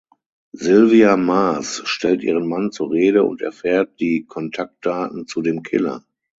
Sylvia Mars stellt ihren Mann zur Rede und erfährt die Kontaktdaten zu dem Killer.